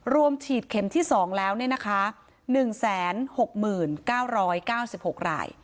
ฉีดเข็มที่๒แล้ว๑๖๙๙๖ราย